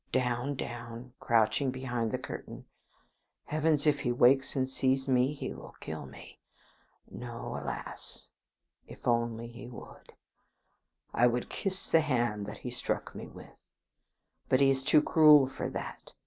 Down; down; crouching behind the curtain. Heavens! if he wakes and sees me, he will kill me. No! alas! if only he would. I would kiss the hand that he struck me with; but he is too cruel for that.